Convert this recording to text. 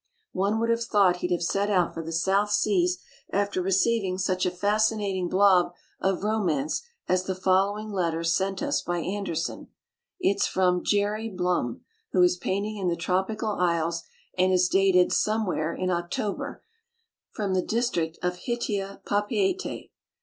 One would have thought he'd have set out for the South Seas after receiving such a fascinating blob of romance as the following letter sent us by Anderson. It's from "Jerry" Blum, who is painting in the tropical isles, and is dated "somewhere in Oc tober", from "the District of Hitia, Pa peete".